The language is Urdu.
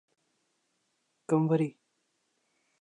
کنوری